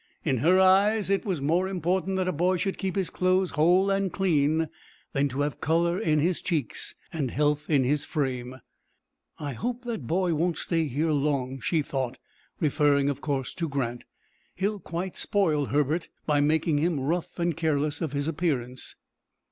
In her eyes, it was more important that a boy should keep his clothes whole and clean than to have color in his cheeks, and health in his frame. "I hope that boy won't stay here long," she thought, referring, of course, to Grant. "He'll quite spoil Herbert by making him rough and careless of his appearance."